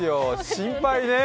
心配ね。